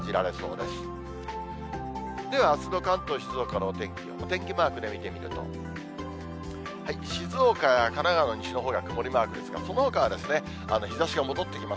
では、あすの関東、静岡のお天気を、お天気マークで見てみると、静岡や神奈川、西のほうが曇りマークですが、そのほかは日ざしが戻ってきます。